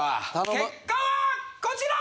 結果はこちら！